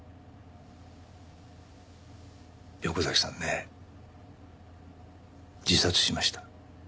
横崎さんね自殺しました。